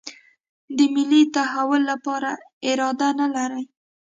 د ملي تحول لپاره اراده نه لري.